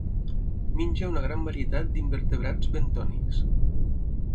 Menja una gran varietat d'invertebrats bentònics.